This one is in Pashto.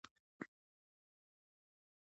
حیات الله داوري هم راغی.